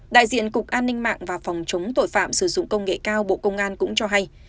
đại diện cục an ninh mạng và phòng chống tội phạm sử dụng công nghệ cao bộ công an cũng cho hay